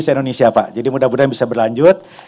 se indonesia pak jadi mudah mudahan bisa berlanjut